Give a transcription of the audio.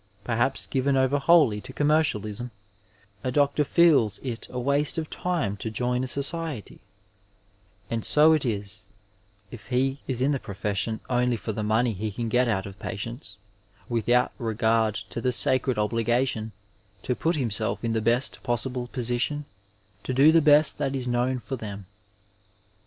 Perhaps given over wholly to commercialism a doctor feels it a waste of time to join a society, and so it is if he is in the profession only for the money he can get out of patients without regard to the sacred obligation to put himself in the best possible position to do the best that is known for them.